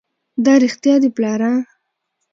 دا رښتيا دي پلاره!